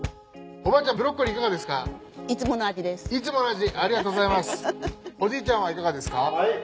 おじいちゃんはいかがですか？